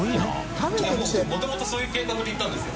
發箸發そういう計画で行ったんですよ。